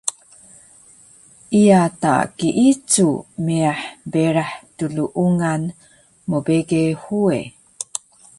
iya ta kiicu meyah berah tluungan mbege huwe